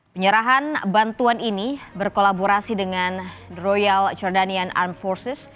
penyerahan bantuan ini berkolaborasi dengan royal jordanian arm forces